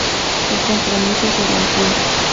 El compromiso se rompió.